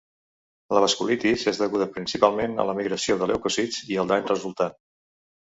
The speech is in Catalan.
La vasculitis és deguda principalment a la migració dels leucòcits i al dany resultant.